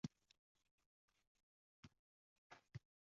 hamda rivojlantirishda mahallalarning ahamiyati va nufuzini yanada oshirish;